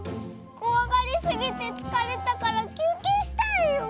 こわがりすぎてつかれたからきゅうけいしたいよ。